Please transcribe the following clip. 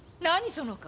その顔。